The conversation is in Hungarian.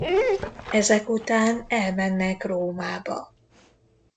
Ezek után elmennek Rómába.